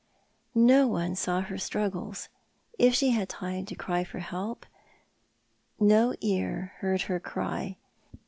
No one saw her struggles. If she had time to cry for help no ear heard her cry.